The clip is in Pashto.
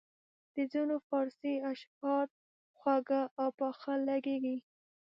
د ځینو فارسي اشعار خواږه او پاخه لګیږي.